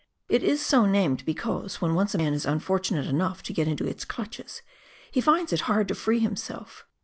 It is so named because, when once a man is unfortunate enough to get into its clutcheSj he finds it hard to free himself.